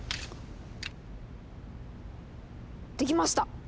できました。